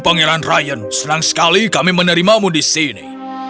pangeran ryan senang sekali kami menerimamu di sini